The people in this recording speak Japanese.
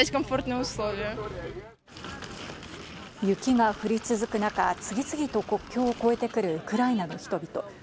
雪が降り続く中、次々と国境を越えてくるウクライナの人々。